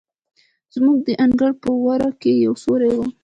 زموږ د انګړ په وره کې یو سورى و.